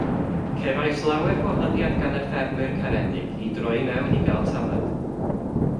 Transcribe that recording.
Cefais lawer gwahoddiad gan y ffermwyr caredig i droi i mewn i gael tamaid.